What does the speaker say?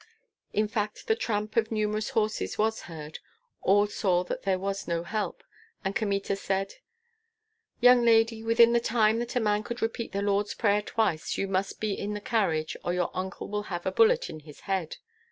In fact the tramp of numerous horses was heard. All saw that there was no help, and Kmita said, "Young lady, within the time that a man could repeat the Lord's Prayer twice you must be in the carriage, or your uncle will have a bullet in his head."